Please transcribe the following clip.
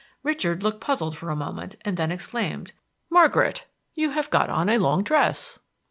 Richard looked puzzled for a moment, and then exclaimed, "Margaret, you have got on a long dress!"